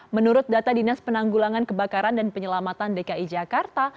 menurut data dinas penanggulangan kebakaran dan penyelamatan dki jakarta